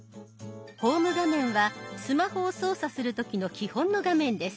ホーム画面はスマホを操作する時の基本の画面です。